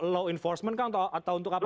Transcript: law enforcement kang atau untuk apa